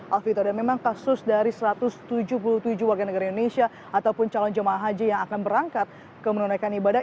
alvito dan memang kasus dari satu ratus tujuh puluh tujuh warga negara indonesia ataupun calon jemaah haji yang akan berangkat ke menunaikan ibadah